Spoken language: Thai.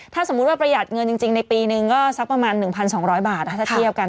ถ้าสมมุติว่าประหยัดเงินจริงในปีนึงก็สักประมาณ๑๒๐๐บาทถ้าเทียบกัน